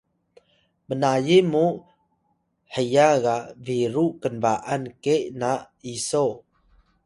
mnayi mu heya ga “Biru Knba’an Ke na Iso”